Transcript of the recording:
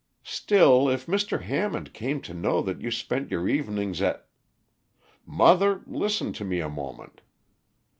"Still if Mr. Hammond came to know that you spent your evenings at " "Mother, listen to me a moment.